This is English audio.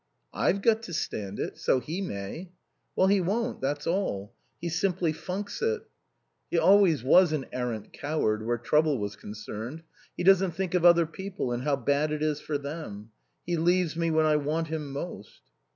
"I've got to stand it. So he may." "Well, he won't, that's all. He simply funks it." "He always was an arrant coward where trouble was concerned. He doesn't think of other people and how bad it is for them. He leaves me when I want him most."